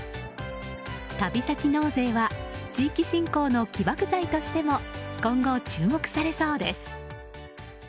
旅先納税は地域振興の起爆剤としても今後、注目されそうです。